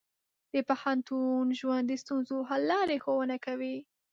د پوهنتون ژوند د ستونزو حل لارې ښوونه کوي.